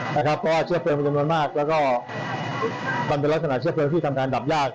เพราะว่าเชื้อเพลิงเป็นจำนวนมากแล้วก็มันเป็นลักษณะเชื้อเพลิงที่ทำงานดับยาก